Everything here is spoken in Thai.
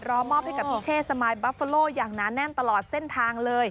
รอมอบให้กับพี่เช่สมายบัฟเฟอโลอย่างหนาแน่นตลอดเส้นทางเลย